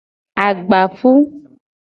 Agbapu.